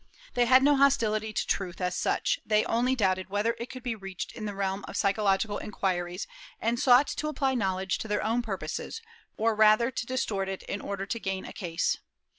They had no hostility to truth, as such; they only doubted whether it could be reached in the realm of psychological inquiries, and sought to apply knowledge to their own purposes, or rather to distort it in order to gain a case.